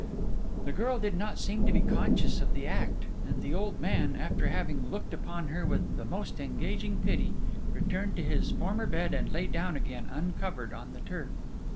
The girl did not seem to be conscious of the act; and the old man, after having looked upon her with the most engaging pity, returned to his former bed and lay down again uncovered on the turf.